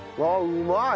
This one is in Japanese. うまい。